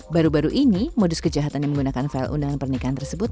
baru baru ini modus kejahatan yang menggunakan file undangan pernikahan tersebut